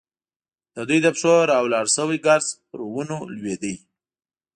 د دوی د پښو راولاړ شوی ګرد پر ونو لوېده.